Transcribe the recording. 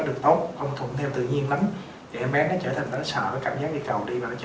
được tốt không thuận theo tự nhiên lắm thì em bé nó trở thành nó sợ có cảm giác đi cầu đi mà nó trở